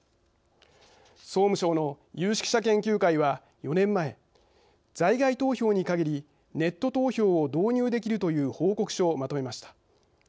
総務省の有識者研究会は４年前、在外投票に限りネット投票を導入できるという報告書をまとめました。